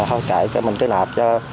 thôi kệ mình cứ nạp cho